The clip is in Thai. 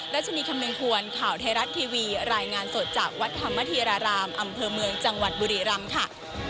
รัชนีคำนึงควรข่าวไทยรัฐทีวีรายงานสดจากวัดธรรมธีรารามอำเภอเมืองจังหวัดบุรีรำค่ะ